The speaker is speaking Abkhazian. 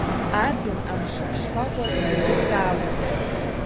Аӡын Амшын Шкәакәа зегьы ҵаауеит.